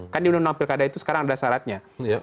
kan di uu pilkada itu sekarang ada syaratnya